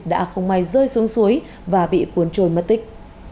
đã không may rơi xuống suối và bị cuốn trôi mất tích